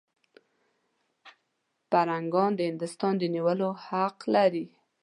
پیرنګیان د هندوستان د نیولو حق لري.